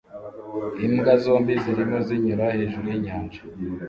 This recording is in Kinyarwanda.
Imbwa zombi zirimo zinyura hejuru yinyanja